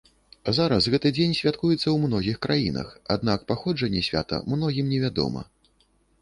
Зараз гэты дзень святкуецца ў многіх краінах, аднак паходжанне свята многім невядома.